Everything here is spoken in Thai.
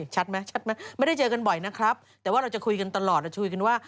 ชัดไหมชัดไหมไม่ได้เจอกันบ่อยนะครับแต่ว่าเราจะคุยกันตลอดเราคุยกันว่า